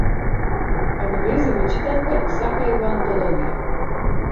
Ако влезе во читанка, сака и во антологија.